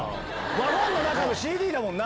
ワゴンの中のＣＤだもんな。